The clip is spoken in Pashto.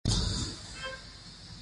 افغانستان په پکتیکا غني دی.